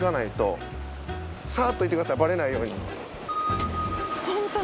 さっと行ってくださいバレないように。